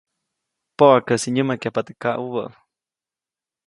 Poʼakäsi nyämakyajpa teʼ kaʼubä.